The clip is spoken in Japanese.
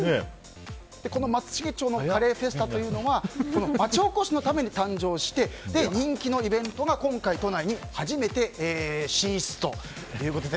松茂町のカレーフェスタというのは町おこしのために誕生して人気のイベントが今回、都内に初めて進出ということで。